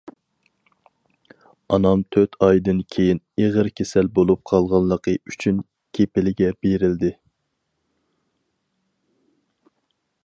ئانام تۆت ئايدىن كېيىن، ئېغىر كېسەل بولۇپ قالغانلىقى ئۈچۈن كېپىلگە بېرىلدى.